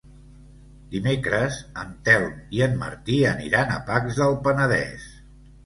Dimecres en Telm i en Martí aniran a Pacs del Penedès.